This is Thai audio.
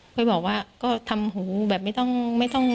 เคยบอกว่าก็ทำหูแบบไม่ต้อง